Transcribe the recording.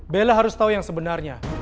bella harus tahu yang sebenarnya